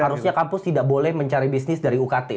harusnya kampus tidak boleh mencari bisnis dari ukt